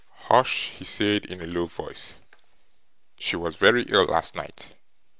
'Hush!' he said, in a low voice. 'She was very ill last night.